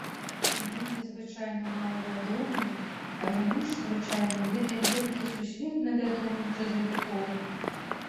Імёны звычайна малавядомыя, але мы ж звычайна ведаем толькі сусветна вядомых джазавікоў.